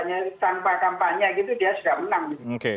hanya tanpa kampanye gitu dia sudah menang